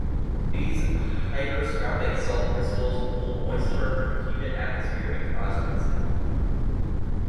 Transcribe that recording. These hygroscopic salt crystals will hold moisture from a humid atmosphere and cause rusting.